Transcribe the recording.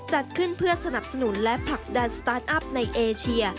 จัดขึ้นเพื่อสนับสนุนและผลักดันสตาร์ทอัพในเอเชีย